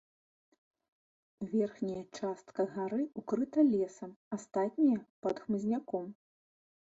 Верхняя частка гары ўкрыта лесам, астатняя пад хмызняком.